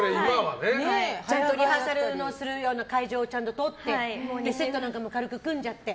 ちゃんとリハーサルするような会場をとってセットとかも軽く組んじゃって。